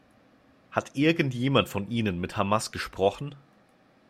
Hat irgendjemand von Ihnen mit Hamas gesprochen?